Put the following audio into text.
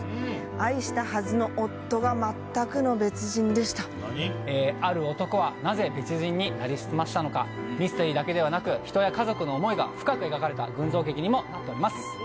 愛したはずの夫がまったくの別人でした「ある男」はなぜ別人になりすましたのかミステリーだけではなく人や家族の思いが深く描かれた群像劇にもなっております